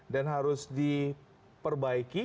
dan harus diperbaiki